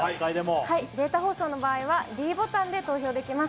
データ放送の場合は、ｄボタンで投票できます。